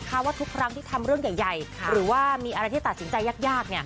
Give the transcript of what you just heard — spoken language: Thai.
เพราะว่าทุกครั้งที่ทำเรื่องใหญ่หรือว่ามีอะไรที่ตัดสินใจยาก